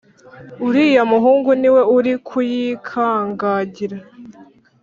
Uriya muhungu niwe uri kuyikangagira